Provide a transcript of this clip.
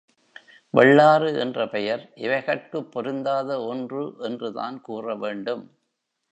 வெள்ளாறு என்ற பெயர் இவைகட்குப் பொருந்தாத ஒன்று என்று தான் கூற வேண்டும்.